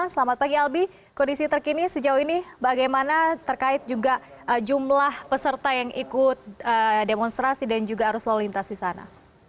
selamat pagi albi kondisi terkini sejauh ini bagaimana terkait juga jumlah peserta yang ikut demonstrasi dan juga arus lalu lintas di sana